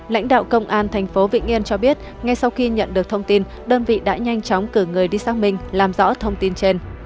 lãnh đạo công an tp vĩnh yên cho biết ngay sau khi nhận được thông tin đơn vị đã nhanh chóng cử người đi xác minh làm rõ thông tin trên